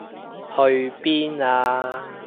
去邊啊？